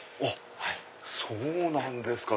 そうなんですか。